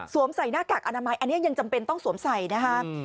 ใส่หน้ากากอนามัยอันนี้ยังจำเป็นต้องสวมใส่นะคะ